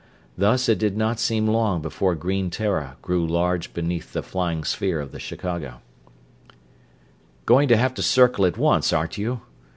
Thus it did not seem long before green Terra grew large beneath the flying sphere of the Chicago. "Going to have to circle at once, aren't you?"